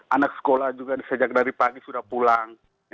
anak sekolah juga sejak dari pagi sudah pulang